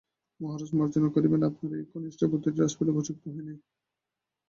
মহারাজ, মার্জনা করিবেন, আপনার এই কনিষ্ঠ পুত্রটি রাজপরিবারের উপযুক্ত হয় নাই।